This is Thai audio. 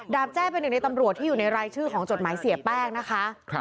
แจ้เป็นหนึ่งในตำรวจที่อยู่ในรายชื่อของจดหมายเสียแป้งนะคะ